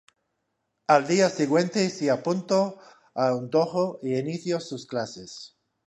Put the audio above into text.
Al día siguiente se apuntó a un dōjō e inició sus clases.